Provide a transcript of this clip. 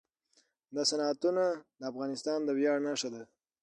دا صنعتونه د افغانستان د ویاړ نښه ده.